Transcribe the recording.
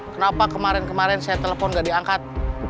kenapa kemarin kemarin saya telepon gak diangkat